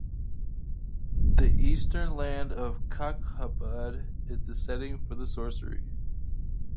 The eastern land of Kakhabad is the setting for the Sorcery!